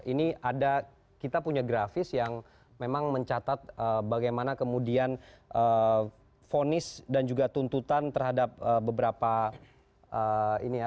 ini ada kita punya grafis yang memang mencatat bagaimana kemudian fonis dan juga tuntutan terhadap beberapa ini ya